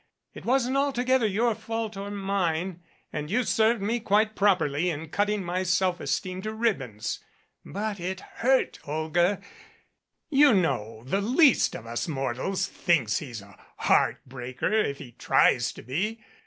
It wasn't altogether your fault or mine, and you served me quite properly in cutting my self esteem to ribbons. But it hurt, Olga. You know the least of us mortals thinks he's a heart breaker, if he tries to be.